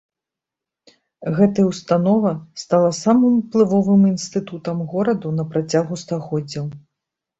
Гэтая ўстанова стала самым уплывовым інстытутам гораду на працягу стагоддзяў.